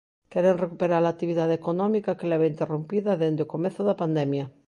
Queren recuperar a actividade económica que leva interrompida dende o comezo da pandemia.